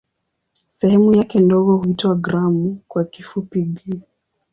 Sehemu yake ndogo huitwa "gramu" kwa kifupi "g".